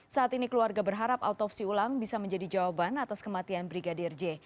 saat ini keluarga berharap autopsi ulang bisa menjadi jawaban atas kematian brigadir j